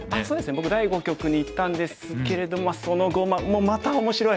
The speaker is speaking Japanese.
僕第五局に行ったんですけれどもその碁もまた面白い！